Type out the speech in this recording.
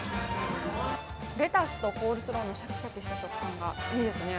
レタスとコールスローのシャキシャキした食感がいいですね。